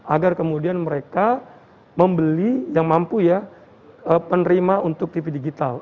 agar kemudian mereka membeli yang mampu ya penerima untuk tv digital